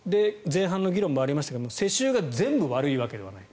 前半の議論でもありましたが世襲が全部悪いわけではない。